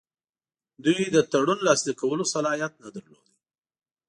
دوی د تړون لاسلیک کولو صلاحیت نه درلود.